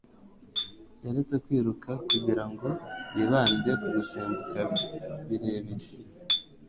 Yaretse kwiruka kugirango yibande ku gusimbuka birebire